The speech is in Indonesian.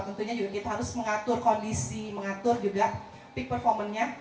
tentunya kita harus mengatur kondisi mengatur juga peak performance nya